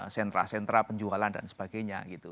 sendra sendra penjualan dan sebagainya gitu